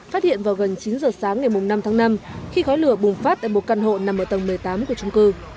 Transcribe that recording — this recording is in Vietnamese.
phát hiện vào gần chín giờ sáng ngày năm tháng năm khi khói lửa bùng phát tại một căn hộ nằm ở tầng một mươi tám của trung cư